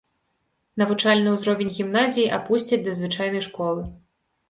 Навучальны ўзровень гімназіі апусцяць да звычайнай школы.